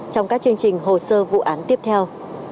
trong các chương trình hồ sơ vụ án tiếp theo